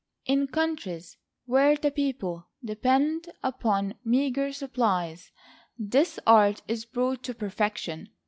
In countries where the people depend upon meagre supplies this art is brought to perfection.